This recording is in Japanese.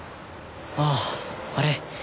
あああれ。